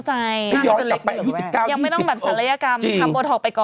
อ่าเข้าใจ